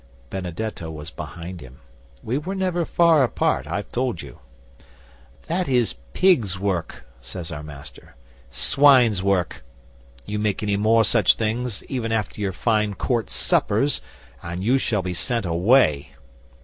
Benedetto was behind him. We were never far apart, I've told you. '"That is pig's work," says our Master. "Swine's work. You make any more such things, even after your fine Court suppers, and you shall be sent away."